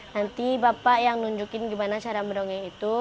nanti bapak yang nunjukin gimana cara mendongeng itu